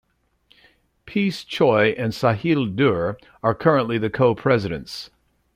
Peace Choi and Sahil Durr are currently the Co-Presidents.